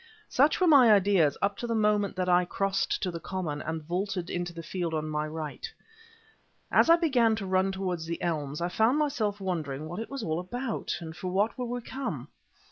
Such were my ideas up to the moment that I crossed to the common and vaulted into the field on my right. As I began to run toward the elms I found myself wondering what it was all about, and for what we were come.